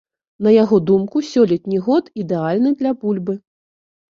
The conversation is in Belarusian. На яго думку, сёлетні год ідэальны для бульбы.